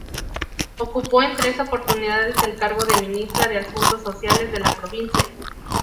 Ocupó en tres oportunidades el cargo de Ministra de Asuntos Sociales de la provincia.